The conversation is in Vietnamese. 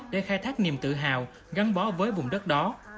để khai thác niềm tự hào gắn bó với vùng đất đó